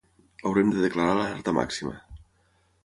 Haurem de declarar l'alerta màxima.